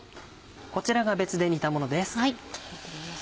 こちらが別で煮たものです。